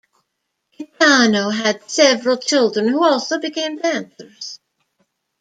Gaetano had several children who also became dancers.